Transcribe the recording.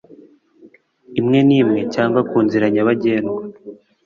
imwe n imwe cyangwa ku nzira nyabagendwa